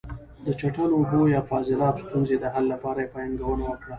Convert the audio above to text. د چټلو اوبو یا فاضلاب ستونزې د حل لپاره یې پانګونه وکړه.